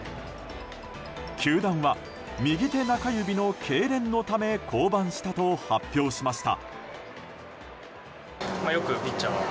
球団は右手中指のけいれんのため降板したと発表しました。